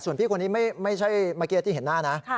ส่วนพี่คนนี้ไม่ใช่มาเกียรติเห็นหน้านะ